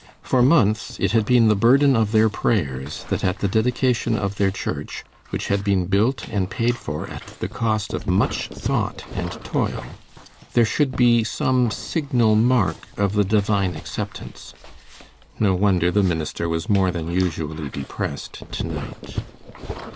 For months it had been the burden of their prayers that at the dedication of their church, which had been built and paid for at the cost of much thought and toil, there should be some "signal mark of the divine acceptance." No wonder the minister was more than usually depressed to night.